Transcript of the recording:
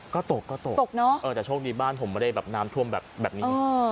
ก็ตกก็ตกตกเนอะเออแต่โชคดีบ้านผมไม่ได้แบบน้ำท่วมแบบนี้